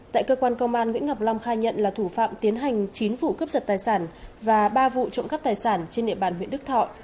tại cơ quan công an nguyễn ngọc long khai nhận là thủ phạm tiến hành chín vụ cướp giật tài sản và ba vụ trộm cắp tài sản trên địa bàn huyện đức thọ